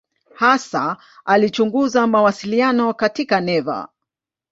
Hasa alichunguza mawasiliano katika neva.